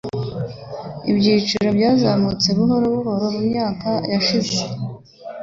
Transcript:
Ibiciro byazamutse buhoro buhoro mumyaka yashize.